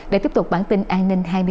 để tiếp tục bản tin an ninh hai mươi h